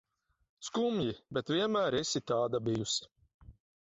Skumji, bet vienmēr esi tāda bijusi.